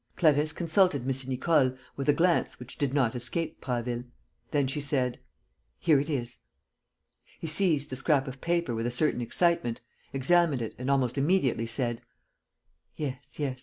Clarisse consulted M. Nicole with a glance which did not escape Prasville. Then she said: "Here it is." He seized the scrap of paper with a certain excitement, examined it and almost immediately said: "Yes, yes